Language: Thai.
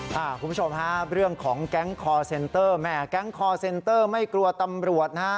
คุณผู้ชมฮะเรื่องของแก๊งคอร์เซ็นเตอร์แม่แก๊งคอร์เซ็นเตอร์ไม่กลัวตำรวจนะฮะ